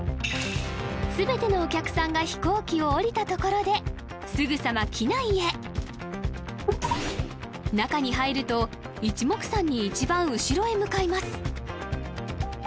全てのお客さんが飛行機を降りたところですぐさま機内へ中に入るといちもくさんに一番後ろへ向かいます